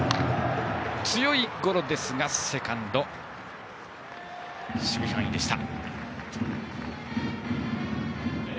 強いゴロでしたがセカンドの守備範囲でした。